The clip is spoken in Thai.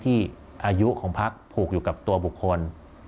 อายุของพักผูกอยู่กับตัวบุคคล